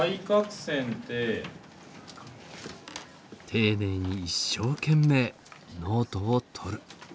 丁寧に一生懸命ノートを取る。